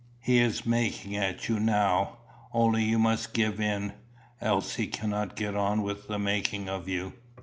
He is making at you now; only you must give in, else he cannot get on with the making of you.